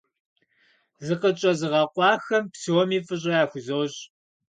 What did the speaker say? Зыкъытщӏэзыгъэкъуахэм псоми фӀыщӀэ яхузощӀ.